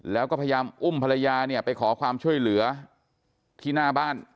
แล้วก็พยายามอุ้มภรรยาเนี่ยไปขอความช่วยเหลือที่หน้าบ้าน